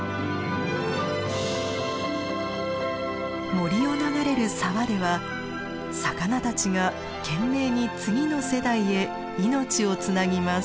森を流れる沢では魚たちが懸命に次の世代へ命をつなぎます。